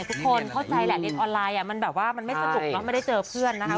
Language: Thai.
เล็กเค้าใจละเรียนออนไลน์มันไม่สนุกอะไม่ได้เจอเพื่อนนะคะ